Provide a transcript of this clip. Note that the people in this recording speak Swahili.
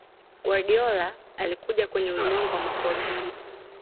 Guardiola alipokuja kwenye ulimwengu wa makocha